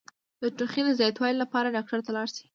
د ټوخي د زیاتوالي لپاره ډاکټر ته لاړ شئ